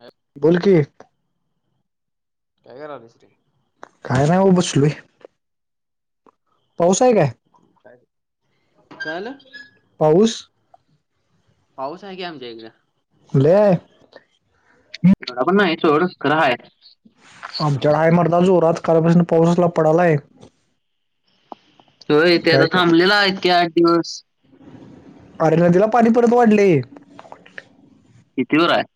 अ [inaudible] बोल की. काय [unintelligible] काय नाही हो बसलोय. पाऊस आहे काय? काल? पाऊस? पाऊस आहे की आमच्या इकडं. लय. एवढा पण नाही सोड. [unintelligible] आमच्या [unintelligible] जोरात कालपासून पाऊस असला पडायलाय. हो. इथे आता काय कर थांबलेलाये इतके आठ दिवस. अरे नदीला पाणी परत वाढलये. [unintelligible]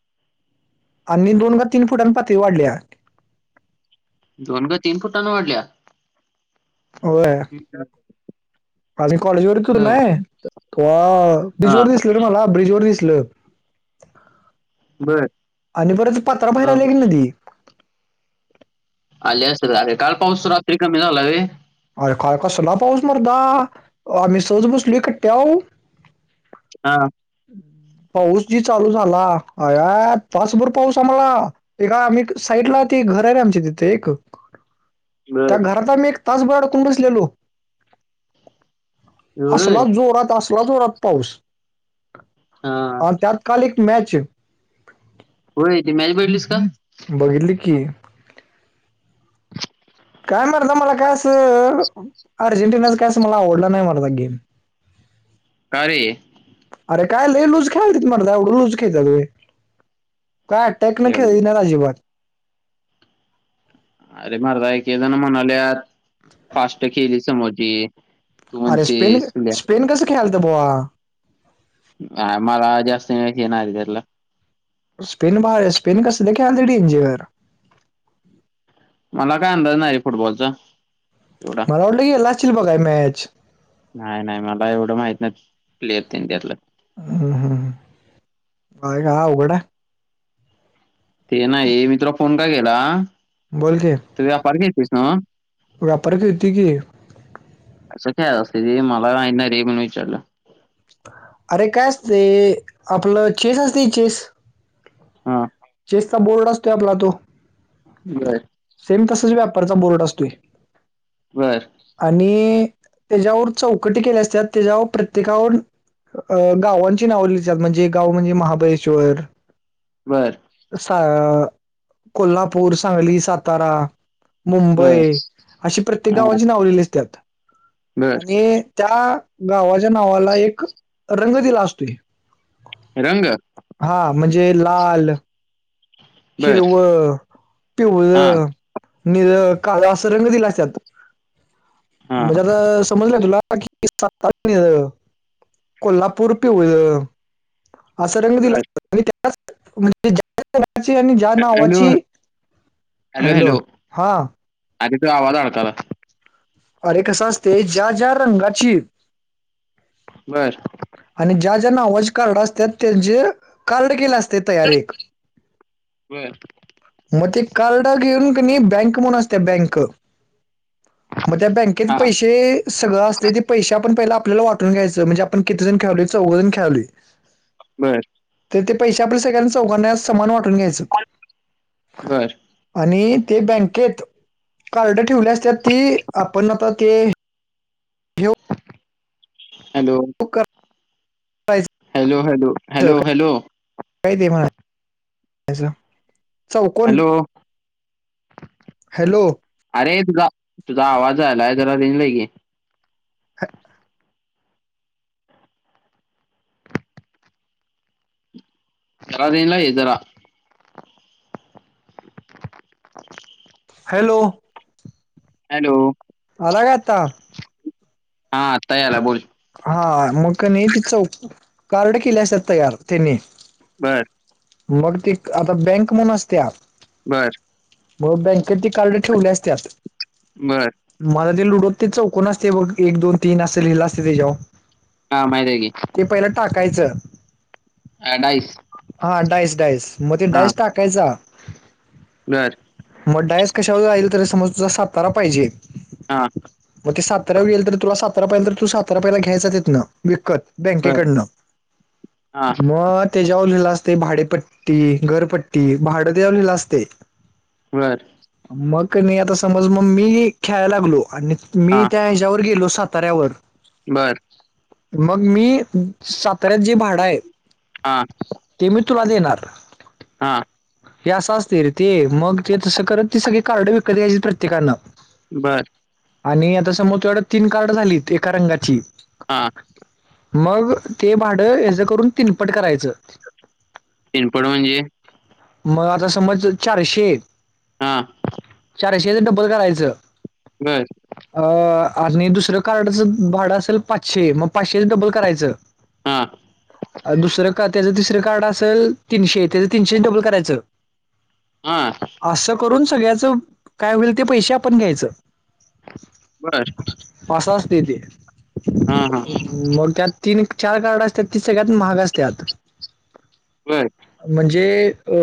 आणि दोन का तीन फुटान पातळी वाढलिया. दोन का तीन फुटांन वाढलिया? होय. ठीक आहे. आज ही कॉलेजवर इकडं नाय. वाव! ब्रिज हा वर दिसले रे मला ब्रिज वर दिसले. बर आणि बरचस पात्रा बाहेर हा आलेली नदी. आली असंल अरे. काल पाऊस रात्री कमी झाला रे. अरे काल कसला पाऊस मर्दा. आम्ही सहज बसलोय कट्ट्यावर. हा. पाऊस जी चालू झाला. अया तासभर पाऊस आम्हाला. एका आम्ही साईडला ती घर आहे आमच्या तिथे एक. [inaudible] त्या घरात आम्ही एक तासभर अडकून बसलेलो. एवढं असला होय? जोरात. असला जोरात पाऊस. हा. अन त्यात काल एक मॅचए. होय. ती मॅच बघितलीस का? बघितली की. [inaudible] काय मर्दा मला काय असं अर्जेंटिनाच काय अस मला आवडला नाही मर्दा गेम. का रे? अरे काय लई लूज खेळायलेत मर्दा. एवढं लूज खेळतात व्हय? काय? टॅक्टन एवढं. खेळले नाहीत अजिबात. अरे मर्दा एक एक जण म्हणालेयात फास्ट खेळले समोरचे. अरे स्पेन [unintelligible] स्पेन कसं खेळायलत बोवा. नाय मला जास्त हे [unintelligible] स्पेन बाहेर आहे. स्पेन कसंल खेळायलय डेंजर. मला काय अंदाज नाही रे फुटबॉलचा. एवढा मला वाटलं की गेला असशील बघाय मॅच. नाही नाही. मला एवढं माहीत नाहीत प्लेयर इंडियातल. हम्म. हम् [unintelligible] उघडा ते नाही. मी तुला फोन का केला? बोल कीं. त व्यापार घेतीसना? व्यापार घेती की. असं काय असत ते, मला नाही ना रे म्हणून विचारलं. अरे काय असते, आपलं चेस असते चेस? हं. चेसचा बोर्ड असतोय, आपला तो? बय. सेम तसाच व्यापारचा बोर्ड असतोय. बरं. आणि त्याच्यावर चौकटी केल्या असत्यात, त्याच्यावर प्रत्येकावर अ गावांची नाव लीहत्यात, म्हणजे गाव म्हणजे महाबळेश्वर बरं. सा अ कोल्हापूर, सांगली, सातारा बर मुंबई अशी प्रत्येक हा गावांची नाव लिहिलेली असत्यात बर आणि त्या गावाच्या नावाला एक रंग दिला असतोय. रंग? हा, म्हणजे लाल बर हिरव, पिवळ, हा निळ, काळ असं रंग दिलं असतात. हा म्हणजे आता, समजलं तुला? [inaudible] कोल्हापूर पिवळं असं रंग दिला बर [inaudible] आणि त्यात [unintelligible] आणि ज्या हॅलो नावाची, हॅलो हां? आर तुजा आवाज अडकायला. अरे कसं असतंय ज्या-ज्या रंगाची बरं. आणि ज्या ज्या नावाची कार्ड असत्यात त्या जे कार्ड केलं असतंय तयार एक. बर मग ते कार्ड घेऊन कणी बँक म्हणून असतीया बँक मग त्या बँकेत हा पैशे ते सगळं असतंय ते पैशे आपण पहिला आपल्याला वाटून घ्यायचं, म्हणजे आपण किती जण खेळायलोय चौघ जण खेळायलो. बर. तर ते पैशे आपल्या सगळ्यांना चौघांना समान वाटून घ्यायचं. बर आणि ते बँकेत कार्ड ठेवली असत्यात ती आपण आता ते हे hello? [unintelligible] Hello, hello, hello, hello? काय ते म्हणं [unintelligible] चौकोण, हॅलो हॅलो? अरे तुझा तुझा आवाज जायल्याय जरा रेंजला ये. [unintelligible] जरा रेंज ला ये जरा. [unintelligible] हॅलो? हॅलो? आला काय आता. हा आता यायला बोल. हा. मग कणी ति चौथ कार्ड केलेली असतात तयार त्यांनी. बरं. मग ती आता बँक म्हणून असत्या. बरं. मग बँकेत ते कार्ड ठेवलेली असत्यात. बरं. मला ते लुडो ते चौकण असते बघ एक, दोन, तीन असं लिहिलं असतंय तेच्यावर हा माहित आहे की, ते पहिलं टाकायचं. अ, डाईस हा डाईस डाईस मग ते हा डाईस टाका कायचा. बर. मग डाईस कशावर जाईल. तरी समज तुला सातारा पाहिजे. हा. मग ते सातारावर गेल तर तुला सातार पहिजे. तर तू सातारा पहिला घ्यायचा तिथन विकत. बर बँकेकडनं हा मग तेज्यावर लिहिलेल असते. भाडेपट्टी, घरपट्टी, भाडं त्यावर लिहिलेल असतंय. बरं. मग कणी, आता समज मग मी खेळाय लागलो. आणि मी त्या हेच्यावर गेलो सात ताऱ्यावर. बरं. मग मी साताऱ्यात जे भाडं आहे. हा. ते मी तुला देणार. हा. हे असं असते रे ते. मग ते तसं करत ते सगळी कार्ड विकत घ्यायची प्रत्येकान. बरं. आणि आता समोर तेवढ तीन कार्ड झालीत एका रंगाची हा. मग ते भाडं हेजं करून तिनपट करायचं. तिनपड म्हणजे? मग आता समज चारशे हा. चारशे च डबल करायचं. बर. अ आणि दुसरं कार्डचं भाडं असेल पाचशे. मग पाचशेच डबल करायचं. हा. दुसरं का त्याचं तिसरं कार्ड असेल तीनशे. त्याचं तीनशेच डबल करायचं. [inaudible] असं करून सगळ्याच काय होईल ते पैसे आपण घ्यायचं. बरं. मग अस असते ते. हा हा. मग त्यात तीन चार कार्ड असत्यात. ती सगळ्यात महाग असत्यात. बर म्हणजे अ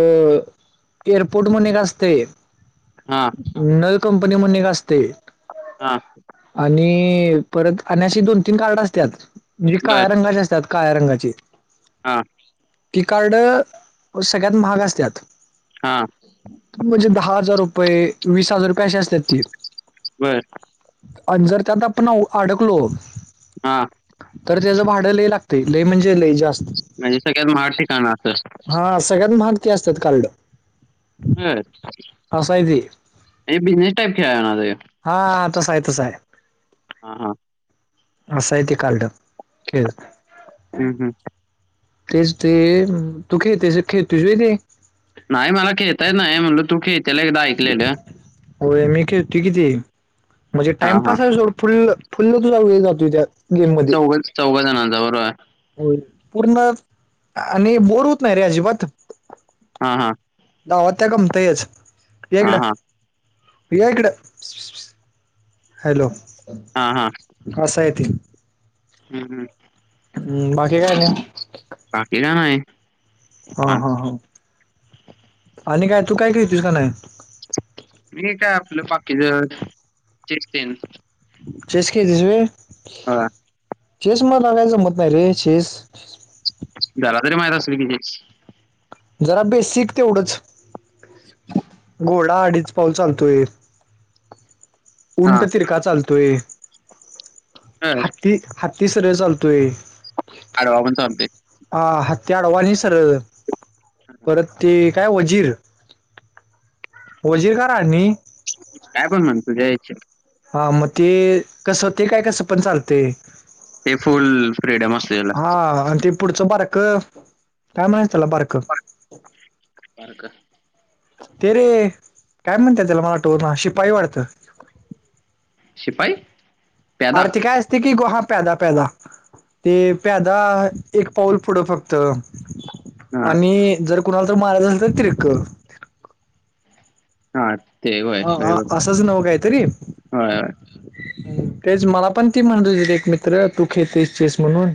एअरपोर्ट म्हणे एक असतय. हा नवी कंपनी म्हणून एक असतय. हा आणि परत आणि अशी दोन तीन कार्ड असत्यात. म्हणजे बर काळ्या रंगाचे असत्यात. काळा रंगाचे हा ति कार्ड सगळ्यात महाग असत्यात. हा म्हणजे दहा हजार रुपये, वीस हजार रुपये अशी असत्यात ती. बर आणि जर त्यात आपण अडकलो हा तर त्याच भाड लई लागत. लई म्हणजे लय जास्त. म्हणजे सगळ्यात माहाग ठिकाण असल. हा सगळ्यात महाग ती असतात कार्ड. बर असं आहे ते बिजनेस टाइप खेळ ना त हा तस आहे. तस आहे. हा अस आहे ते कार्ड. हम्म हम्म तेच ते, तू खेळतोस खेळतोस व्हय ते. नाही मला खेळता येत नाही. म्हटल तू खेळतेल एकदा ऐकलेल. हो मी खेळतोय कि ते. म्हणजे हा हा टाइमपास आहे सोड. फुल फुल तुझा वेळ जातोय त्यात. चौघच्या चौघ जणांच बरोबर आहे. हो पूर्ण, आणि बोर होत नाही रे अजिबात. हा हा गावात या गमतयच. ये हा इकड. हा ये इकड. हॅलो हा हा अस आहे ते. हम्म हम्म हम्म, बाकी काय नाही. बाकी काही नाही. हा हा माणूस- हा आणि काय, तू काय खेळतीस का नाही? मी काय आपल पाकीज, चेस तेन. चेस खेळतोस व्हय. हा चेस मला काही जमत नाही रे चेस. [unintelligible] जरा बेसिक तेवढच घोडा अडीच पाऊल चालतोय. हा उंट तिरका चालतोय. तर हत्ती हाती सरळ चालतोय. आडवा पण चालतोय. आ, हत्ती आडवा अणि सरळ परत ते काय वजीर- वजीर का राणी? काय पण म्हण तुझ्या [unintelligible] हा मग ते, कसं ते काय कसं पण चालते. ते फुल फ्रीडम असते [unintelligible] त्याला हा आणि ते- पुढचं, बारक काय म्हणायचं त्याला बारक? [unintelligible] ते रे, काय म्हणते त्याला मला आठवणा [unintelligible] शिपाई वाटतं? शिपाई? प्यादा आर ते काय असतय की, [unintelligible] हा प्यादा, प्यादा. ते प्यादा एक पाऊल पुढं फक्त. हा आणि जर कुणाला तर मारायचं असेल तर तिरक. हा, ते व्हय. हा, हा, असंच नव काहीतरी? होय होय तेच मला पण ती म्हणत होती एक मित्र तू खेळतयस चेस म्हणून.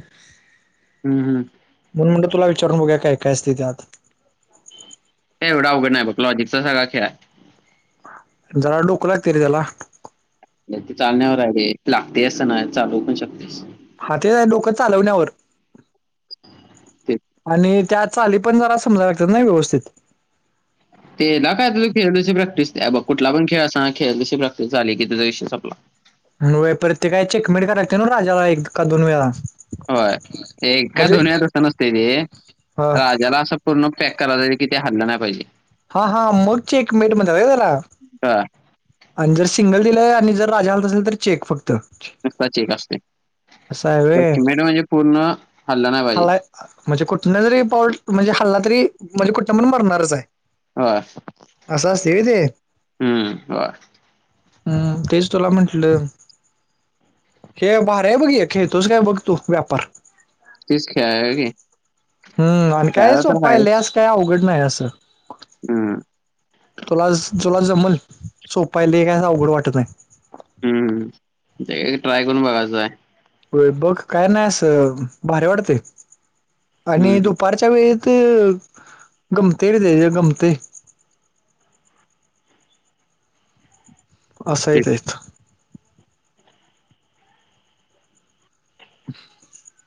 हम्म. म्हणून म्हटल तुला विचारून बघू्या, काय-काय असतं त्यात? ते एवढा अवघड नाही बघ, लॉजिकचा सगळा खेळ आहे. जरा डोक लागत रे त्याला. ते चालण्यावर आहे, [unintelligible] लागतेस अस नाही चालू पण शकतेस. हा, तेच आहे डोकं चालवण्यावर ते आणि- त्या चाली पण जरा समजावी लागतात ना व्यवस्थित. तेला काय तु [unintelligible] प्रॅक्टिस कुठला पण खेळ असा खेळण्याची प्रॅक्टिस झाली की त्याचा विषय संपला. वय परत ते काय चेकमेट करायते, ना राजाला एक का दोन वेळाला? होय, एका का दोन वेळेला नसते ते हा राजाला असं- पूर्ण पॅक करायला लागत, ते हल्लं नाही पाहिजे. हा, हा म्हणून चेकमेट म्हटलं होय त्याला? [unintelligible] आणि जर सिंगल दिलंय आणि जर राजा हलत असेल तर चेक फक्त. नुस्ता चेक असतय, असं आहे वे चेकमेट म्हणजे पूर्ण हल्ला नाही पाहिजे? हलाय म्हणजे कुठनं जरी पाऊल म्हणजे हखल्ला तरी म्हणजे कुठं पण मरणारच आहे.. होय. अस असंतय होय ते? हम्म. होय. हम्म, तेच तुला म्हंटलं. हे भारीये बघ हे खेळतोस काय बघ तू व्यापार? तिस क आय [unintelligible] हम् आणि काय सोपां आहे, लय असं काय अवघड नाही असं. हम्म. तुला तुला जमल सोप आहे ते. काय अस अवघड वाटत नाही. हम्म ‌, हम्म [unintelligible] ट्राय करून बघायचंय. बघ काय नाही अस भारी वाटतय आणि हम्म. दुपार- [unintelligible] असं य तेच? [inaudible]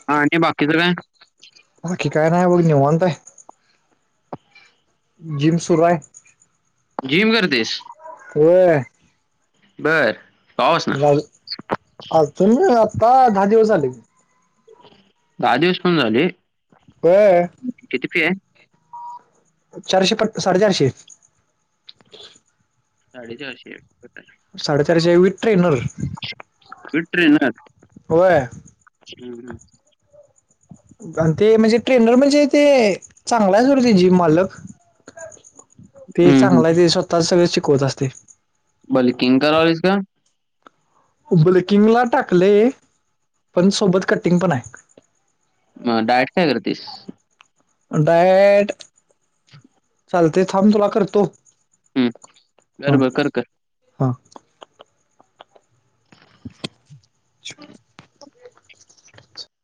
[unintelligible] काय नाहीय बघ निवंत! [unintelligible] जिम सुरू हाय. जिम करतेस? होय. बरं. झालं. अजून आत्ता दहा दिवस झाले. दहा दिवस पण झाले. होय. किती फी आहे? चारशे फक्त साडेचारशे साडेचारशे. साडेचारशे विथ ट्रेनर. With trainer. होय. हम्म. घालते. म्हणजे ट्रेनर म्हणजे ते चांगला आहे सोड ते जीम मालक. [inaudible] ते हम्म. चांगलं आहे. ते स्वतः सगळे शिकवत असते. बले किंका लावलीस का. बुलकिंगला टाकले. पण सोबत कटिंग पण आहे. हा. डाएट काय करतेस? डायेट. चालते थांब तुला करतो. हम्म. बर कर हा मग कर कर कर. हा [unintelligible]